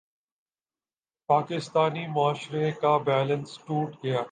پاکستانی معاشرے کا بیلنس ٹوٹ گیا۔